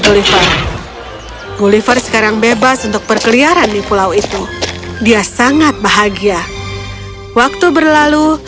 gulliver gulliver sekarang bebas untuk berkeliaran di pulau itu dia sangat bahagia waktu berlalu